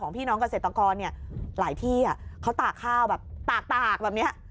พี่น้องเกษตรกรเนี่ยหลายที่เขาตากข้าวแบบตากแบบนี้